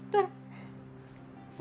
terima kasih atas kemuliaan dokter